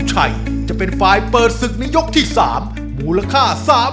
เดี๋ยวให้น้องเก่งลงไปนั่งกับคุณครูนะครับ